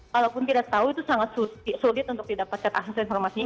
walaupun tidak tahu itu sangat sulit untuk didapatkan akses informasinya